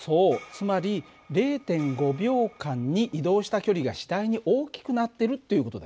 つまり０．５秒間に移動した距離が次第に大きくなってるっていう事だよね。